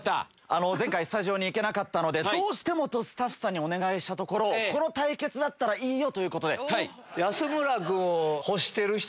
前回スタジオに行けなかったのでスタッフさんにお願いしたところこの対決だったらいいよ！ということで。